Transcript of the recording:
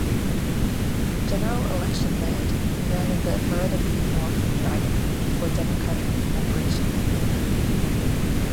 General Election Laird ran in the Burnaby North riding for Democratic Reform British Columbia.